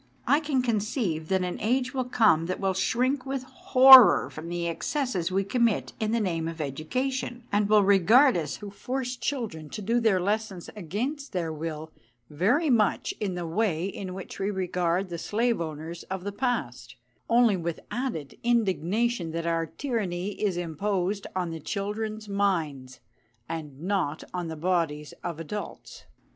I can conceive that an age will come that will shrink with horror from the excesses we commit in the name of education, and will regard us who force children to do their lessons against their will very much in the way in which we regard the slave owners of the past, only with added indignation that our tyranny is imposed on the children's minds, and not on the bodies of adults.